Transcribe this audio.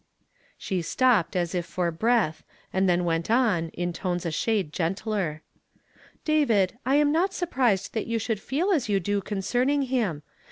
She stopped as if for breath, nud then went on in tones a shade gentler. "David, I am not surprised that you should feel as you do concerning him.